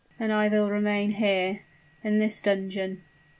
"Then I will remain here in this dungeon!